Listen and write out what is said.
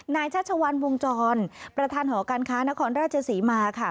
ชัชวัลวงจรประธานหอการค้านครราชศรีมาค่ะ